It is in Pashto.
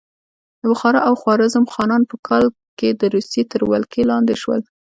د بخارا او خوارزم خانان په کال کې د روسیې تر ولکې لاندې شول.